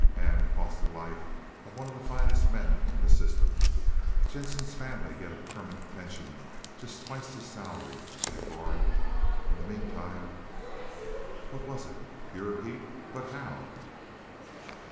And cost the life of one of the finest men in the system. Jehnson's family get a permanent pension just twice his salary, McLaurin. In the meantime " "What was it? Pure heat, but how?"